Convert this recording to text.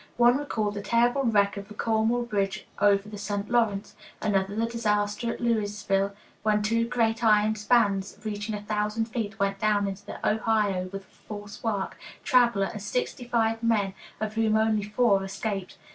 One recalled the terrible wreck of the Cornwall bridge over the St. Lawrence. Another the disaster at Louisville, when two great iron spans, reaching a thousand feet, went down into the Ohio, with false work, "traveler," and sixty five men, of whom only four escaped.